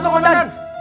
siap satu komandan